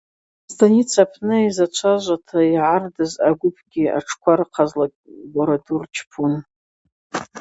Астаница апны йзачважвата йгӏардыз, агвыпгьи атшква рыхъазла бора ду рчпун.